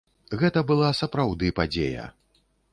Гэта была сапраўды падзея.